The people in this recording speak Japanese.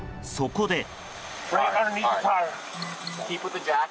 そこで。